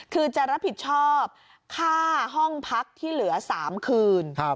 คือจะรับผิดชอบค่าห้องพักที่เหลือ๓คืน